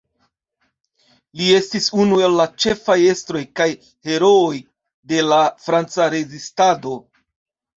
Li estis unu el la ĉefaj estroj kaj herooj de la Franca rezistado.